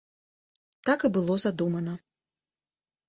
Так і было задумана.